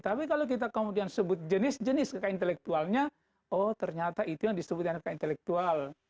tapi kalau kita kemudian sebut jenis jenis kekayaan intelektualnya oh ternyata itu yang disebut dengan keintelektual